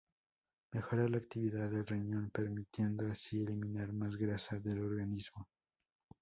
Mejora la actividad del riñón permitiendo así eliminar más grasa del organismo